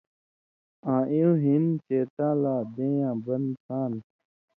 آں اېوں ہِن شېطاں لا دېں یاں بن سان٘د؛